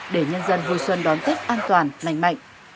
để nhân dân vui xuân đón tết an toàn lành mạnh